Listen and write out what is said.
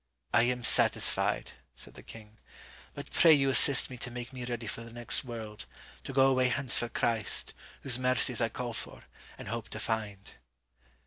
'I am satisfied,' said the king; 'but pray you assist me to make me ready for the next world, to go away hence for Christ, whose mercies I call for, and hope to find.'